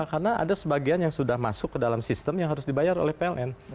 karena ada sebagian yang sudah masuk ke dalam sistem yang harus dibayar oleh pln